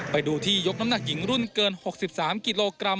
ไปดูที่ยกน้ำหนักหญิงรุ่นเกิน๖๓กิโลกรัม